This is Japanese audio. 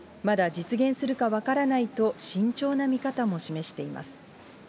まだ実現するか分からないと、慎重な見方も示しています。